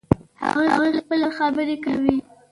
هغوی خپلې خبرې کوي